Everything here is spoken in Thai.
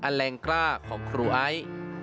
แรงกล้าของครูไอ